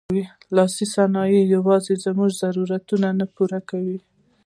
لاسي صنایع یوازې زموږ ضرورتونه نه پوره کوي.